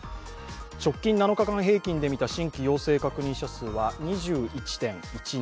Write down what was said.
直近７日間平均で見た新規陽性確認者数は２１．１人。